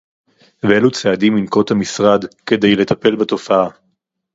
ואילו צעדים ינקוט המשרד כדי לטפל בתופעה